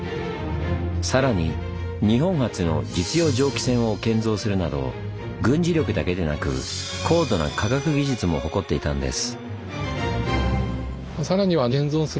さらに日本初の実用蒸気船を建造するなど軍事力だけでなく高度な科学技術も誇っていたんです。